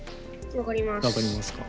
分かりますか。